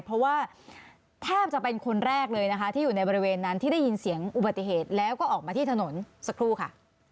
เพราะว่าแทบจะเป็นคนแรกเลยนะคะที่อยู่ในบริเวณนั้นที่ได้ยินเสียงอุบัติเหตุแล้วก็ออกมาที่ถนนสักครู่ค่ะ